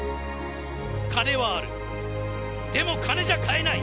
金はある、でも金じゃ買えない。